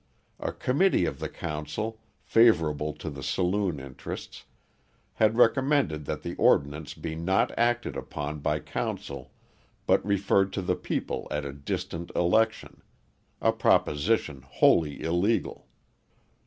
A committee of the council, favourable to the saloon interests, had recommended that the ordinance be not acted upon by council but referred to the people at a distant election, a proposition wholly illegal.